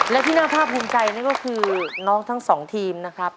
และที่น่าภาพภูมิใจนี่ก็คือน้องทั้งสองทีมนะครับ